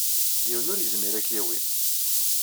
Yiwen ur yezmir ad k-yawey.